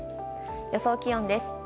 予想気温です。